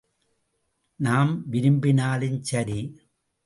நாம் விரும்பினாலும் சரி.